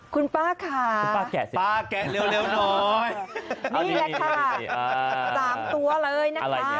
คุณป้าค่ะป้าแกะเร็วน้อย